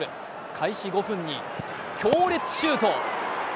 開始５分に強烈シュート。